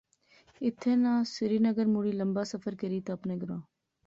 ایتھیں ناں سری نگر مڑی لمبا سفر کری تے اپنے گراں